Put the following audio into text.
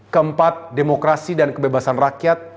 keempat demokrasi dan kebebasan rakyat